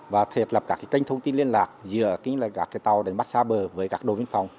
và thiệt lập các tranh thông tin liên lạc giữa các tàu đánh mắt xa bờ với các đội biên phòng